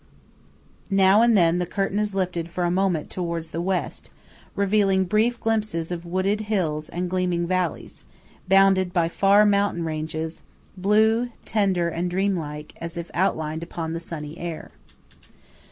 Now and then the curtain is lifted for a moment towards the West, revealing brief glimpses of wooded hills and gleaming valleys bounded by far mountain ranges, blue, tender, and dream like, as if outlined upon the sunny air.